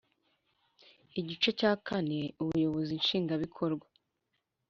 Igice cya kane Ubuyobozi Nshingwabikorwa